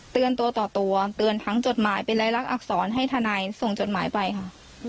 ตัวต่อตัวเตือนทั้งจดหมายเป็นรายลักษณอักษรให้ทนายส่งจดหมายไปค่ะ